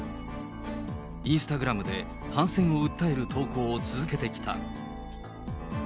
インスタグラムで反戦を訴える投稿を続けてきた。